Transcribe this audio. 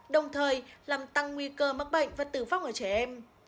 đồng thời làm tăng nguy cơ mắc bệnh và tử vong ở trẻ em